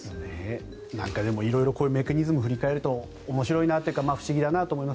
でも、色々とこういうメカニズムを振り返ると面白いなというか不思議だなと思います。